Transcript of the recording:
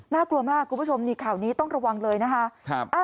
กลัวมากคุณผู้ชมนี่ข่าวนี้ต้องระวังเลยนะคะ